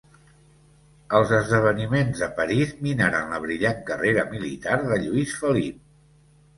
Els esdeveniments de París minaren la brillant carrera militar de Lluís Felip.